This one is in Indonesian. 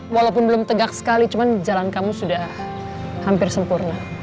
walaupun belum tegak sekali cuma jalan kamu sudah hampir sempurna